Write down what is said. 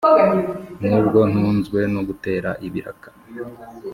Nubwo ntunzwe no gutera ibiraka